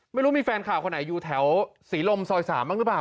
ไม่รู้มีแฟนข่าวคนไหนอยู่แถวศรีลมซอย๓บ้างหรือเปล่า